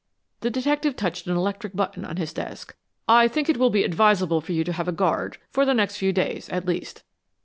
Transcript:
The detective touched an electric button on his desk. "I think it will be advisable for you to have a guard, for the next few days, at least."